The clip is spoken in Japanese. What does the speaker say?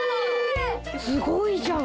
すごいじゃん。